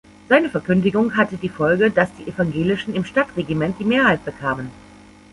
Seine Verkündigung hatte die Folge, dass die Evangelischen im Stadtregiment die Mehrheit bekamen.